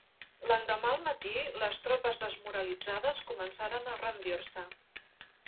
L'endemà al matí, les tropes desmoralitzades començaren a rendir-se.